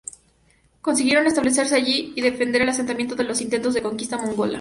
Consiguieron establecerse allí y defender el asentamiento de los intentos de conquista mongola.